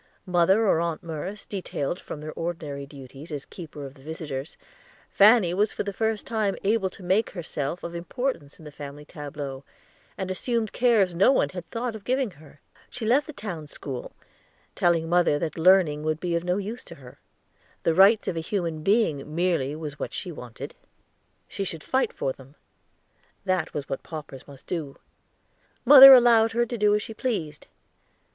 Mother or Aunt Merce detailed from their ordinary duties as keeper of the visitors, Fanny was for the first time able to make herself of importance in the family tableaux, and assumed cares no one had thought of giving her. She left the town school, telling mother that learning would be of no use to her. The rights of a human being merely was what she wanted; she should fight for them; that was what paupers must do. Mother allowed her to do as she pleased.